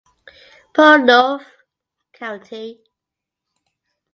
Portneuf County